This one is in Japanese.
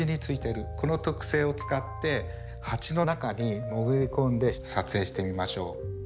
この特性を使って鉢の中に潜り込んで撮影してみましょう。